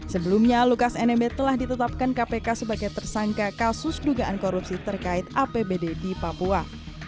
sebelumnya lukas nmb telah ditetapkan kpk sebagai tersangka kasus dugaan korupsi terkait apbd di papua